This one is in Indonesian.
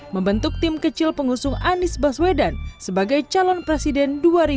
membentuk tim kecil pengusung anies baswedan sebagai calon presiden dua ribu dua puluh